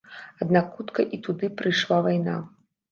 Аднак хутка і туды прыйшла вайна.